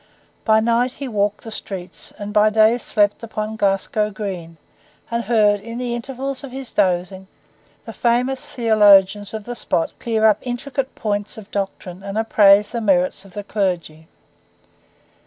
By night he walked the streets, and by day slept upon Glasgow Green, and heard, in the intervals of his dozing, the famous theologians of the spot clear up intricate points of doctrine and appraise the merits of the clergy.